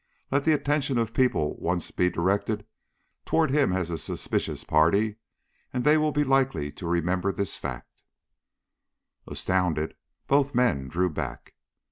Let the attention of people once be directed toward him as a suspicious party, and they will be likely to remember this fact." Astounded, both men drew back.